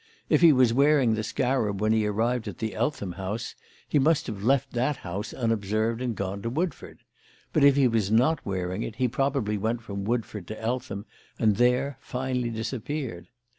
If he was wearing the scarab when he arrived at the Eltham house, he must have left that house unobserved and gone to Woodford; but if he was not wearing it he probably went from Woodford to Eltham and there finally disappeared.